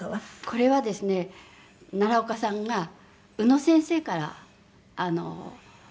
これはですね奈良岡さんが宇野先生からいただいたそうです。